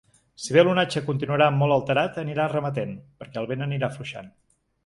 Si bé l’onatge continuarà molt alterat, anirà remetent, perquè el vent anirà afluixant.